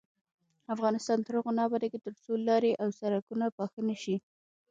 افغانستان تر هغو نه ابادیږي، ترڅو لارې او سرکونه پاخه نشي.